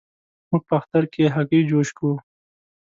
موږ په اختر کې هګی جوش کوو.